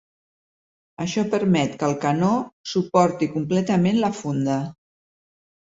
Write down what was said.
Això permet que el canó suporti completament la funda.